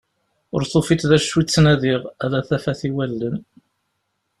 Ur tufiḍ d acu i ttnadiɣ, ala tafat i wallen.